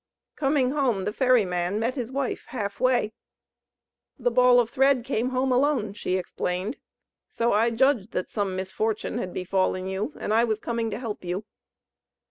Coming home, the ferry man met his wife half way. "The ball of thread came home alone," she explained; "so I judged that some misfortune had befallen you, and I was coming to help you."